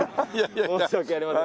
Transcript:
申し訳ありません。